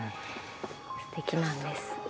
すてきなんです。